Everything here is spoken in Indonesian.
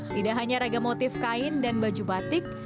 tidak hanya ragamotif kain dan baju batik